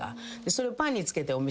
それを。